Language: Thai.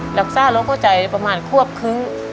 หลักศาโรคเข้าใจมือประมาณควบเคริง